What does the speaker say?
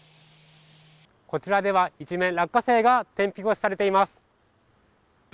こちらでは一面、落花生が天日干しされています。